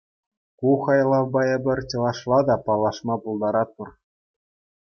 Ку хайлавпа эпир чӑвашла та паллашма пултаратпӑр.